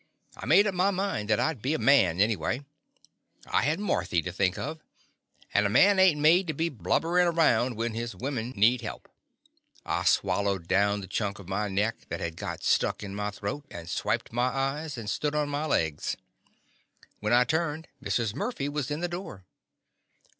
I made up my mind that I 'd be a man, anyway. I had Marthy to think of, and a man ain't made to be blubberin' around when his women The Confessions of a Daddy need help. I swallowed down the chunk of my neck that had got stuck in my throat, and swiped my eyes, and stood on my legs. When I turned, Mrs. Murphy was in the door.